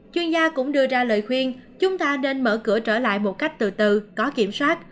chuyên gia cũng đưa ra lời khuyên chúng ta nên mở cửa trở lại một cách từ từ có kiểm soát